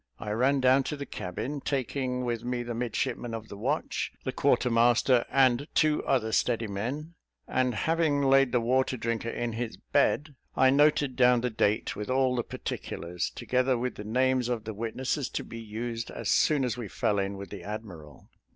I ran down to the cabin taking with me the midshipman of the watch, the quarter master, and two other steady men; and having laid the water drinker in his bed, I noted down the date, with all the particulars, together with the names of the witnesses, to be used as soon as we fell in with the admiral.